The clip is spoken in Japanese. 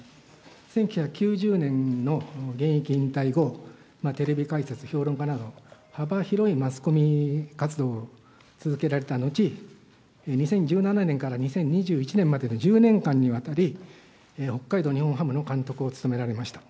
１９９０年の現役引退後、テレビ解説、評論家など、幅広いマスコミ活動を続けられた後、２０１７年から２０２１年までの１０年間にわたり、北海道日本ハムの監督を務められました。